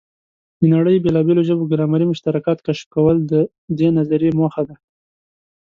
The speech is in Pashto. د نړۍ بېلابېلو ژبو ګرامري مشترکات کشف کول د دې نظریې موخه ده.